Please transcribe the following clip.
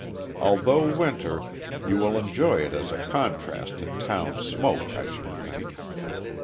Although winter, you will enjoy it as a contrast to town smoke, I should think.